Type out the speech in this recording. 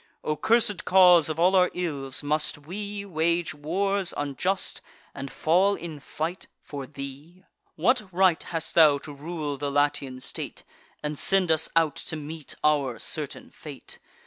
O cursed cause of all our ills, must we Wage wars unjust, and fall in fight, for thee! What right hast thou to rule the Latian state, And send us out to meet our certain fate?